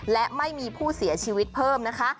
และไม่มีผู้เสียชีวิตเพิ่มนะคะ